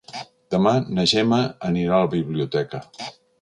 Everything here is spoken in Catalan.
Demà na Gemma anirà a la biblioteca.